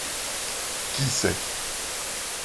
Qui c’est ?